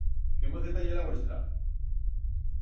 Qué moceta ye la vuestra?